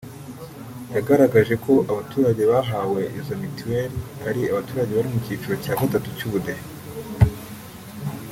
yagaragaje ko abaturage bahawe izo mitiweli ari abaturage bari mu cyiciro cya gatatu cy’ ubudehe